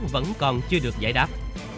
vẫn còn chưa được giải đáp